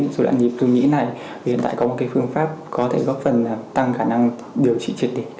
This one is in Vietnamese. dụ đoạn nhịp dung nghĩ này hiện tại có một phương pháp có thể góp phần tăng khả năng điều trị triệt định